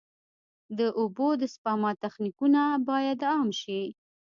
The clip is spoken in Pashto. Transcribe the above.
د اوبو د سپما تخنیکونه باید عام شي.